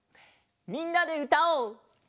みんなでうたおう！